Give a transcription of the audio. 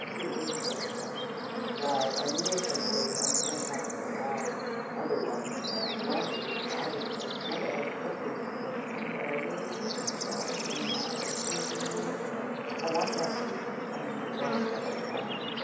He is such a duck. Besides, I knew if I stayed home I'd have to get married. Mother wanted that—wanted it decidedly. Mother has plenty of decision. But I really hated the thought of being married for a few years yet. I want to have heaps of fun before I settle down.